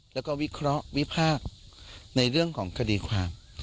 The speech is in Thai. แล้วก็วิเคราะห์วิพากษ์ในเรื่องของคดีความ